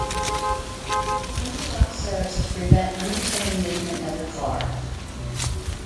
The interlock serves to prevent unintended movement of the car.